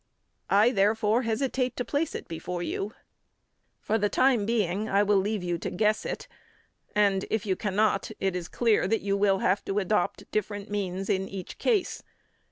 I, therefore, hesitate to place it before you. For the time being, I will leave you to guess it, and, if you cannot, it is clear that you will have to adopt different means in each case.